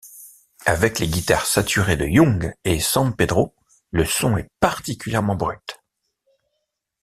Avec les guitares saturées de Young et Sampedro le son est particulièrement brut.